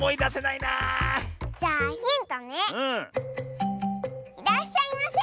いらっしゃいませ。